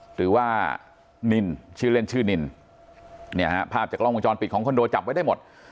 หรือว่านินชื่อเล่นชื่อนินเนี่ยฮะภาพจากกล้องวงจรปิดของคอนโดจับไว้ได้หมด